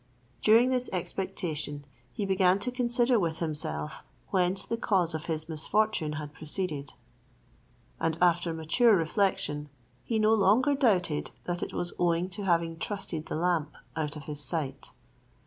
During this expectation, he began to consider with himself whence the cause of his misfortune had proceeded; and after mature reflection, no longer doubted that it was owing to having trusted the lamp out of his sight.